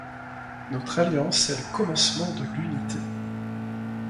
Notre alliance est le commencement de l'unité.